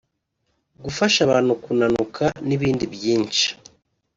gufasha abantu kunanuka n’ibindi byinshi